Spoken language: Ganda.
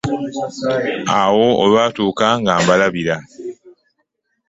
Awo olwatuuka nga mbalabira.